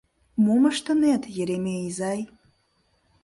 — Мом ыштынет, Еремей изай?